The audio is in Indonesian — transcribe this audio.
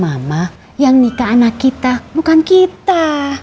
mama yang nikah anak kita bukan kita